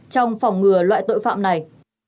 trong phòng ngừa loại tội phạm này